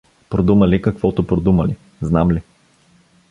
Продумали каквото продумали — знам ли?